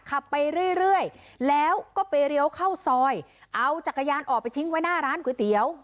ขับไปเรื่อยแล้วก็ไปเลี้ยวเข้าซอยเอาจักรยานออกไปทิ้งไว้หน้าร้านก๋วยเตี๋ยว